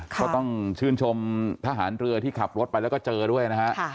ก็ต้องชื่นชมทหารเรือที่ขับรถไปแล้วก็เจอด้วยนะฮะ